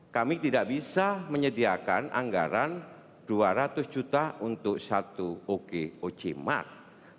kami tidak bisa menyediakan anggaran dua ratus juta untuk satu okoc mart